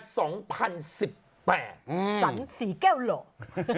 สันสีแก้วหลอก